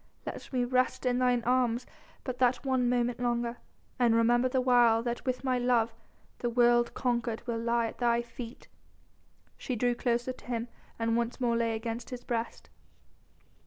Let me rest in thine arms but that one moment longer, and remember the while that with my love, the world conquered will lie at thy feet." She drew closer to him and once more lay against his breast.